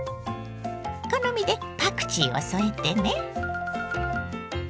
好みでパクチーを添えてね。